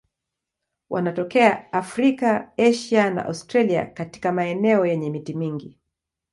Wanatokea Afrika, Asia na Australia katika maeneo yenye miti mingi.